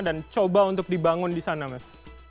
dan coba untuk dibangun di sana mas